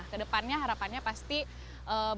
kedepannya harapannya pasti bergantung kepada kita